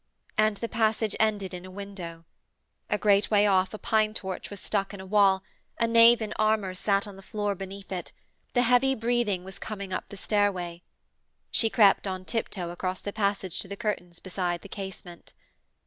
and the passage ended in a window. A great way off, a pine torch was stuck in a wall, a knave in armour sat on the floor beneath it the heavy breathing was coming up the stairway. She crept on tiptoe across the passage to the curtains beside the casement.